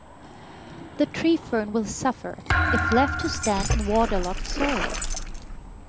The tree fern will suffer if left to stand in waterlogged soil.